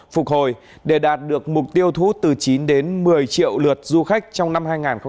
phục hồi để đạt được mục tiêu thu hút từ chín đến một mươi triệu lượt du khách trong năm hai nghìn hai mươi